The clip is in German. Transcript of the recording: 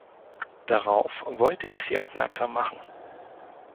Darauf wollte ich Sie aufmerksam machen.